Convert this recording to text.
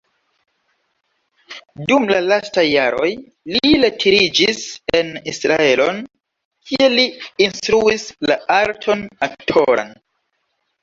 Dum la lastaj jaroj li retiriĝis en Israelon, kie li instruis la arton aktoran.